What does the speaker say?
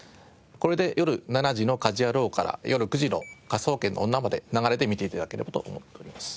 これでよる７時の『家事ヤロウ！！！』からよる９時の『科捜研の女』まで流れで見て頂ければと思っております。